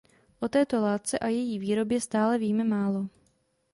O této látce a její výrobě stále víme málo.